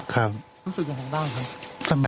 ผมรู้สึกยังไงบ้าง